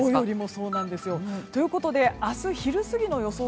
そうなんですよ。ということで明日昼過ぎの予想